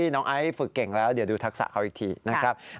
น้องไอซ์ฝึกเก่งแล้วเดี๋ยวดูทักษะเขาอีกทีนะครับ